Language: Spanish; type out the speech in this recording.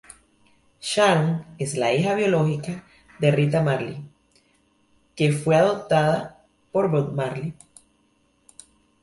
Sharon es la hija biológica de Rita Marley, que fue adoptada por Bob Marley.